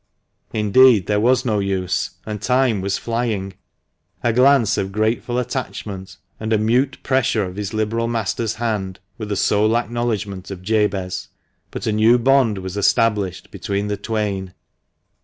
Indeed there was no use, and time was flying. A glance of grateful attachment, and a mute pressure of his liberal master's AA 354 THE MANCHESTER MAN. hand, were the sole acknowledgment of Jabez. But a new bond was established between the twain.